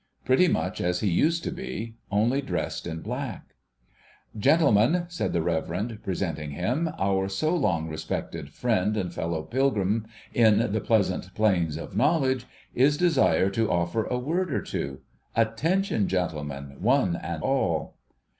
Pretty much as he used to be, only dressed in black. ' Gentlemen,' said the Reverend, presenting him, ' our so long respected friend and fellow pilgrim in the pleasant plains of know ledge, is desirous to ofter a word or two. Attention, gentlemen, one and all